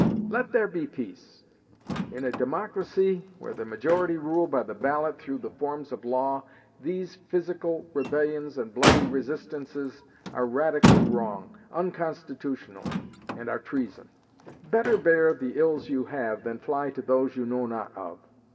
Let there be peace. In a democracy, where the majority rule by the ballot through the forms of law, these physical rebellions and bloody resistances are radically wrong, unconstitutional, and are treason. Better bear the ills you have than fly to those you know not of.